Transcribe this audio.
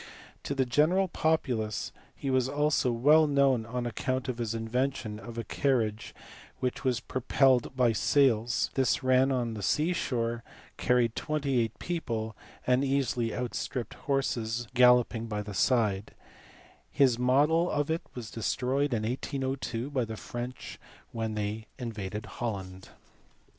To the general populace he was also well known on account of his invention of a carriage which was pro pelled by sails \ this ran on the sea shore, carried twenty eight people, and easily outstripped horses galloping by the side : his model of it was destroyed in 1802 by the French when they invaded Holland.